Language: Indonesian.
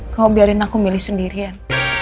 kamu biarkan aku milih sendirian